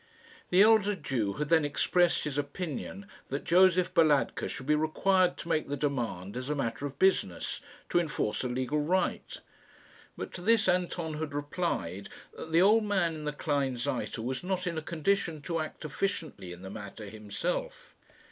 The elder Jew had then expressed his opinion that Josef Balatka should be required to make the demand as a matter of business, to enforce a legal right; but to this Anton had replied that the old man in the Kleinseite was not in a condition to act efficiently in the matter himself.